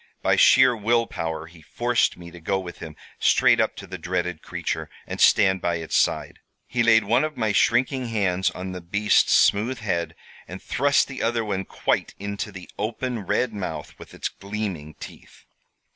By sheer will power he forced me to go with him straight up to the dreaded creature, and stand by its side. He laid one of my shrinking hands on the beast's smooth head, and thrust the other one quite into the open red mouth with its gleaming teeth.